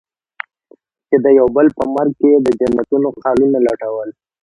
چې يو د بل په مرګ کې يې د جنتونو خالونه لټول.